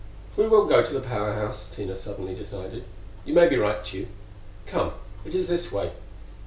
"We will go to the Power House," Tina suddenly decided: "you may be right, Tugh.... Come, it is this way.